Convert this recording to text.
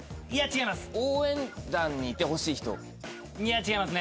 違いますね。